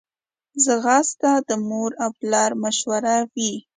ځغاسته د مور او پلار مشوره وي